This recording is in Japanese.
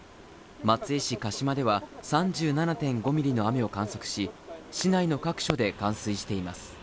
松江市鹿島では３７．５ミリの雨を観測し、市内の各所で冠水しています。